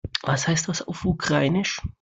Was heißt das auf Ukrainisch?